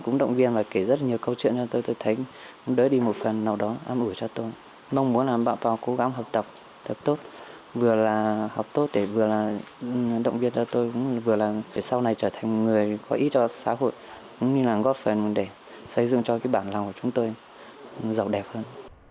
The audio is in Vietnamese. cũng như là góp phần để xây dựng cho cái bản lòng của chúng tôi giàu đẹp hơn